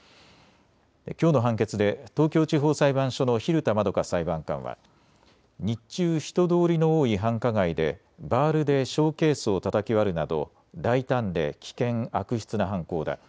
きょうの判決で東京地方裁判所の蛭田円香裁判官は日中、人通りの多い繁華街でバールでショーケースをたたき割るなど大胆で危険、悪質な犯行だ。